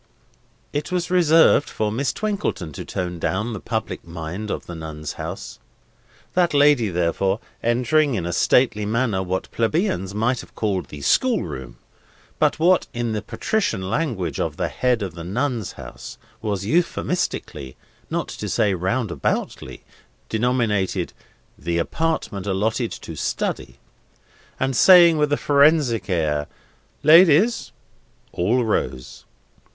It was reserved for Miss Twinkleton to tone down the public mind of the Nuns' House. That lady, therefore, entering in a stately manner what plebeians might have called the school room, but what, in the patrician language of the head of the Nuns' House, was euphuistically, not to say round aboutedly, denominated "the apartment allotted to study," and saying with a forensic air, "Ladies!" all rose.